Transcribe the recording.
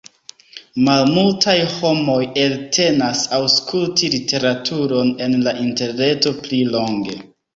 Malmultaj homoj eltenas aŭskulti literaturon en la interreto pli longe.